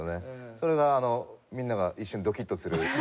それがみんなが一瞬ドキッとする。